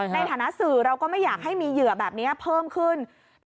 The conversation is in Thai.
ในฐานะสื่อเราก็ไม่อยากให้มีเหยื่อแบบนี้เพิ่มขึ้น